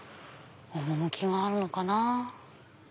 趣があるのかな。